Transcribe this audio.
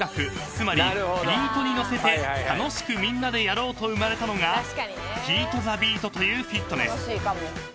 つまりビートに乗せて楽しくみんなでやろうと生まれたのがＨＩＩＴｔｈｅＢｅａｔというフィットネス］